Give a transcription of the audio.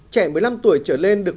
trẻ một mươi năm tuổi trở lên nhà nước